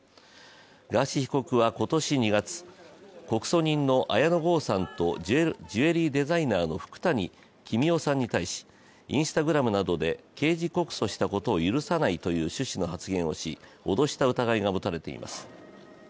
ガーシー被告は今年２月告訴人の綾野剛さんと、ジュエリーデザイナーの福谷公男さんに対し、Ｉｎｓｔａｇｒａｍなどで、刑事告訴したことを許さないという趣旨の発言をし、脅した疑いが持たれています。